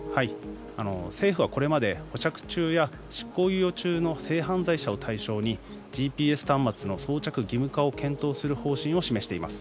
政府はこれまで保釈中や執行猶予中の性犯罪者を対象にＧＰＳ端末の装着義務化を検討する方針を示しています。